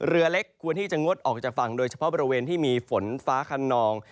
เรือเล็กควรที่จะงดออกจากฝั่งโดยเฉพาะบริเวณที่มีฝนฟ้าขนอง